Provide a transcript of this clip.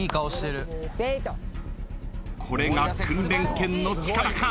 これが訓練犬の力か？